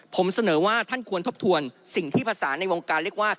ผมเสนอว่าท่านควรทบทวนสิ่งที่ภาษาในวงการเรียกว่า